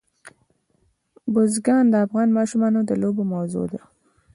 بزګان د افغان ماشومانو د لوبو موضوع ده.